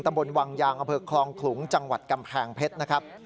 ตำบลวังยางอคลองขลุงจังหวัดกำแพงเพชรนะครับ